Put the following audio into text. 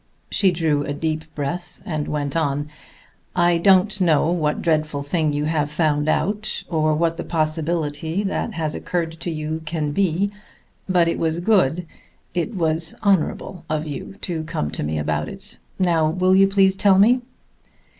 She drew a deep breath, and went on: "I don't know what dreadful thing you have found out, or what the possibility that has occurred to you can be, but it was good it was honorable of you to come to me about it. Now will you please tell me?"